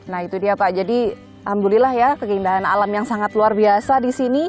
nah itu dia pak jadi alhamdulillah ya keindahan alam yang sangat luar biasa di sini